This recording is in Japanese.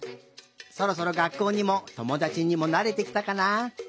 そろそろがっこうにもともだちにもなれてきたかな？